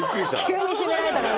急に閉められたから。